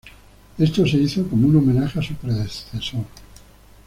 Esto se hizo como un homenaje a su predecesor.